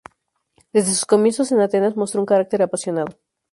Desde sus comienzos en Atenas mostró un carácter apasionado.